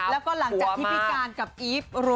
แล้วก็หลังจากที่พี่การกับอีฟ